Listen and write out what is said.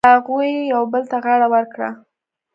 هغوی یو بل ته غاړه ورکړه.